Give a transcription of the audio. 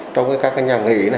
trong các nhà nghỉ